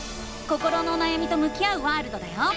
心のおなやみと向き合うワールドだよ！